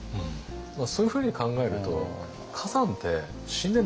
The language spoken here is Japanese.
そういうふうに考えると崋山って死んでないんですよね。